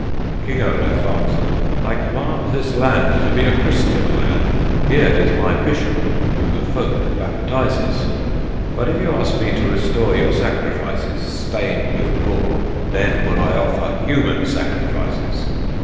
King Olaf answered: "I command This land to be a Christian land; Here is my Bishop who the folk baptizes! "But if you ask me to restore Your sacrifices, stained with gore, Then will I offer human sacrifices!